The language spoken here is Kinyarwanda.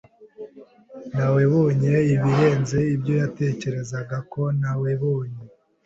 Nawebonye ibirenze ibyo yatekerezaga ko nawebonye.